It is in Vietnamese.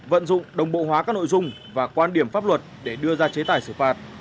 vận dụng đồng bộ hóa các nội dung và quan điểm pháp luật để đưa ra chế tài xử phạt